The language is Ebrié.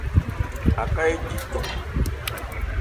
Aká éje cɔn.